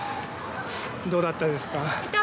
どうだったですか？